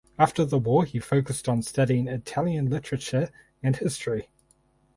After the war he focused on studying Italian literature and history.